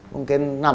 mungkin enam ya